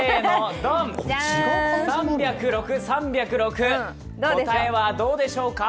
３０６、３０６、答えはどうでしょうか。